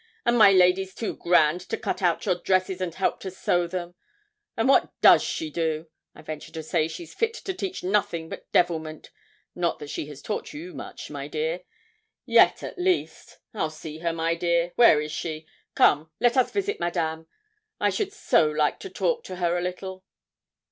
and my lady's too grand to cut out your dresses and help to sew them? And what does she do? I venture to say she's fit to teach nothing but devilment not that she has taught you much, my dear yet at least. I'll see her, my dear; where is she? Come, let us visit Madame. I should so like to talk to her a little.'